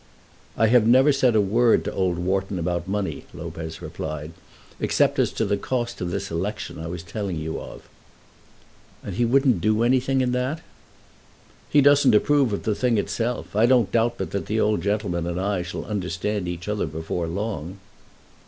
"I have never said a word to old Wharton about money," Lopez replied, "except as to the cost of this election I was telling you of." "And he wouldn't do anything in that?" "He doesn't approve of the thing itself. I don't doubt but that the old gentleman and I shall understand each other before long."